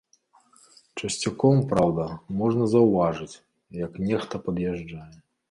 Часцяком, праўда, можна заўважыць, як нехта пад'язджае.